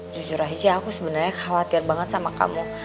jujur aja aku sebenarnya khawatir banget sama kamu